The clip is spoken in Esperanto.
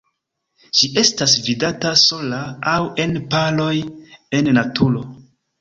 Ĝi estas vidata sola aŭ en paroj en naturo.